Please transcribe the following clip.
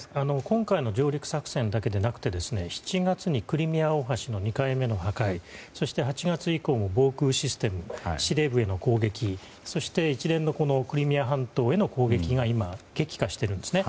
今回の上陸作戦だけでなくて７月にクリミア大橋の２回目の破壊８月以降も防空システム司令部への攻撃そして一連のクリミア半島への攻撃が今、激化しているんです。